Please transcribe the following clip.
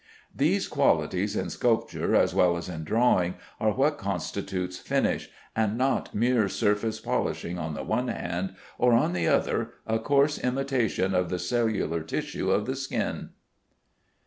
These qualities, in sculpture as well as in drawing, are what constitute "finish," and not mere surface polishing on the one hand, or on the other a coarse imitation of the cellular tissue of the skin.